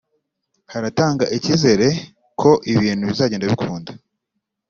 haratanga ikizere ko ibintu bizagenda bikunda